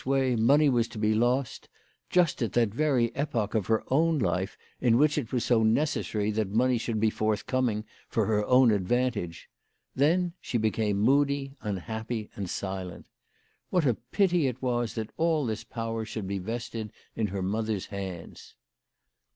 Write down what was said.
59 way money was to be lost, just at that very epoch of her own life in which it was so necessary that money should be forthcoming for her own advantage, then she became moody, unhappy, and silent. What a pity it was that all this power should be vested in her mother's hands.